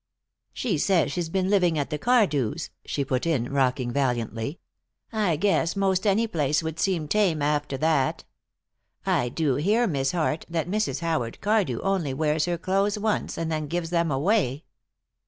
"She says she's been living at the Cardews," she put in, rocking valiantly. "I guess most any place would seem tame after that. I do hear, Miss Hart, that Mrs. Howard Cardew only wears her clothes once and then gives them away."